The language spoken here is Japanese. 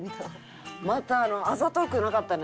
またあざとくなかったね。